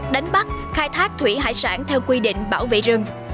đánh bắt khai thác thủy hải sản theo quy định bảo vệ rừng